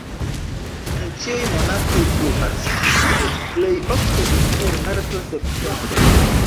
En ĉiuj monatoj pluvas, sed plej ofte inter marto-septembro.